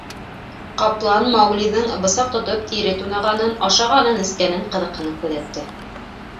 Ҡаплан Мауглиҙың, бысаҡ тотоп, тире тунағанын, ашағанын-эскәнен ҡыҙыҡһынып күҙәтте.